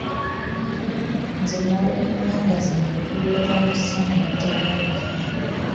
Nze n'abenganda zange tubera mu sanyu eritagambika!